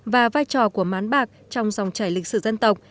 và vai trò của mán bạc trong dòng chảy lịch sử dân tộc